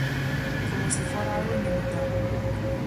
Como se fora algo inevitable.